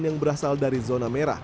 yang berasal dari zona merah